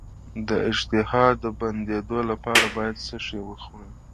د اشتها د بندیدو لپاره باید څه شی وخورم؟